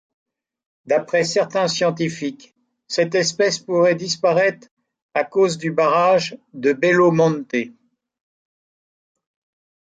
D'après certains scientifiques, cette espèce pourrait disparaître à cause du barrage de Belo Monte.